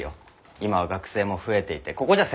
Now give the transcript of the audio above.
今は学生も増えていてここじゃ狭すぎるんだ。